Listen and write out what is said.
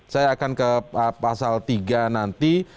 saya akan ke pasal tiga nanti